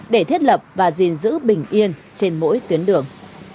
để thiết lập và gìn giữ bình yên trên mỗi tuyến đường